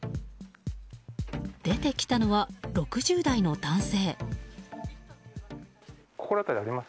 出てきたのは６０代の男性。